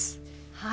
はい！